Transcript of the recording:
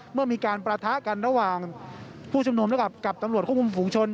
เมื่อมีการประทะกันระหว่างผู้ชุมนุมและกับตำรวจควบคุมฝุงชน